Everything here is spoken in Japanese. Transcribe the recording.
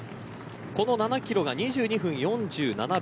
この７キロは２２分４７秒。